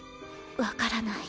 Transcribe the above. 分からない。